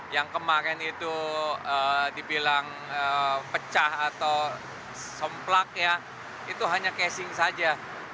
yang kemarin itu dibilang pecah atau somplak ya itu hanya casing saja